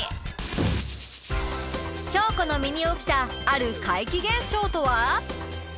京子の身に起きたある怪奇現象とは？